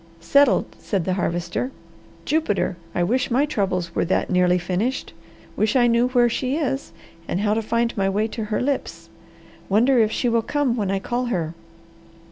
"Settled!" said the Harvester. "Jupiter! I wish my troubles were that nearly finished! Wish I knew where she is and how to find my way to her lips! Wonder if she will come when I call her.